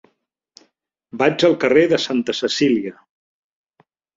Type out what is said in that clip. Vaig al carrer de Santa Cecília.